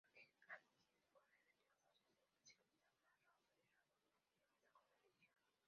Jacques Anquetil, con nueve triunfos, es el ciclista más laureado de esta competición.